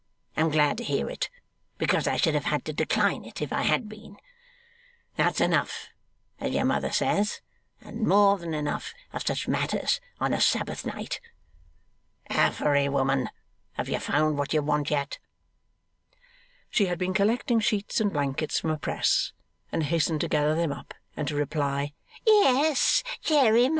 I'm glad to hear it; because I should have had to decline it, if I had been. That's enough as your mother says and more than enough of such matters on a Sabbath night. Affery, woman, have you found what you want yet?' She had been collecting sheets and blankets from a press, and hastened to gather them up, and to reply, 'Yes, Jeremiah.